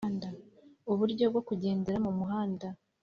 uburyo bwo kugendera mu muhanda,